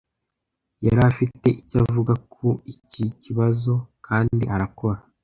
Yari afite icyo avuga kuri iki kibazo kandi arakora